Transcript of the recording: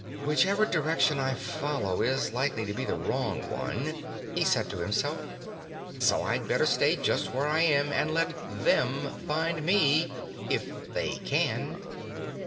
"Whichever direction I follow is likely to be the wrong one," he said to himself, "so I'd better stay just where I am and let THEM find ME if they can."